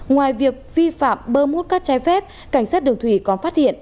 ngoài việc vi phạm bơm hút các trái phép cảnh sát đường thủy còn phát hiện